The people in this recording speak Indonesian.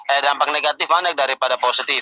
eh dampak negatif banyak daripada positif